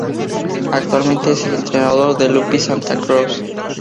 Actualmente es el entrenador del Lupi Santa Croce.